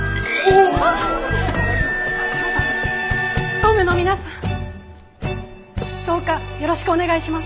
総務の皆さんどうかよろしくお願いします。